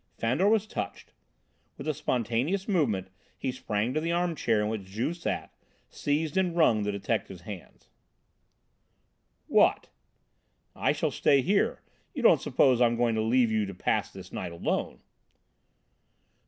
Fandor was touched. With a spontaneous movement he sprang to the armchair in which Juve sat, seized and wrung the detective's hands. "What?" "I shall stay here. You don't suppose I'm going to leave you to pass this night alone?"